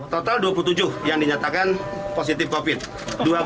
total dua puluh tujuh yang dinyatakan positif covid sembilan belas